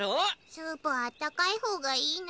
スープはあったかいほうがいいな。